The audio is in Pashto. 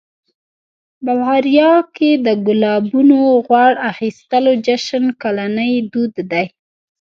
بلغاریا کې د ګلابونو غوړ اخیستلو جشن کلنی دود دی.